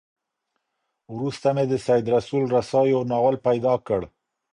وروسته مي د سيد رسول رسا يو ناول پيدا کړ.